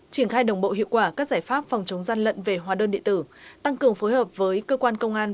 triển khai đồng bộ hiệu quả các giải pháp phòng chống gian lận về hóa đơn điện tử tăng cường phối hợp với cơ quan công an